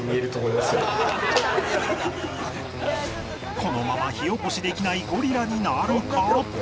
このまま火おこしできないゴリラになるか！？